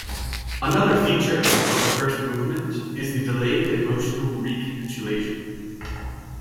Another feature of the first movement is the delayed emotional recapitulation.